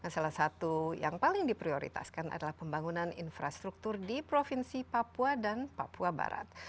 salah satu yang paling diprioritaskan adalah pembangunan infrastruktur di provinsi papua dan papua barat